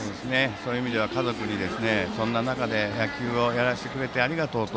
そういう意味では家族にそんな中で野球をやらせてくれて、ありがとうと。